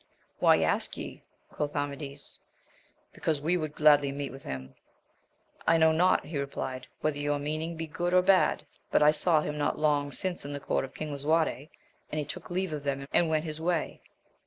Why ask ye? quoth Amadis. — Because we would gladly meet with him. I know not, he replied whether your meaning be good or bad ; but I saw him not long since in the court of King Lisuarte ; and he took leave of them and went his way.